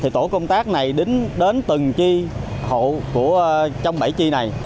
tổ công tác này đến từng chi hộ trong bảy chi này